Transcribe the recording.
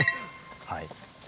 はい。